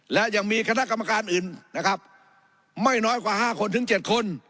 และยังมีคณะกรรมการอื่นนะครับไม่น้อยกว่า๕คนถึง๗คน